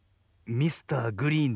ミスターグリーン⁉